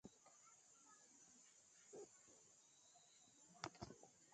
I kno say plenty tinz boku for town.